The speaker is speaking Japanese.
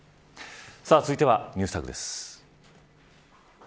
続いては、ＮｅｗｓＴａｇです。